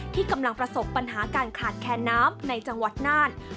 ที่กำลังประสบปัญหาการขาดแคนน้ำในจังหวัดน่าน